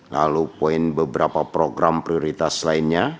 lalu poin beberapa program prioritas lainnya